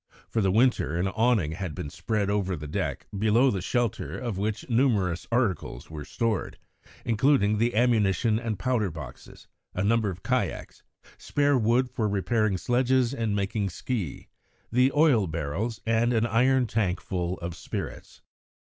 For the winter, an awning had been spread over the deck, below the shelter of which numerous articles were stored, including the ammunition and powder boxes, a number of kayaks, spare wood for repairing sledges and making ski, the oil barrels, and an iron tank full of spirits.